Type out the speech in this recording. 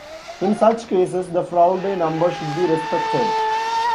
In such cases, the Froude number should be respected.